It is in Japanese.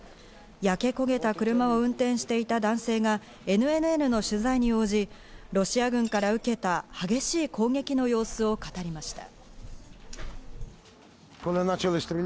焼け焦げた車を運転していた男性がＮＮＮの取材に応じ、ロシア軍から受けた激しい攻撃の様子を語りました。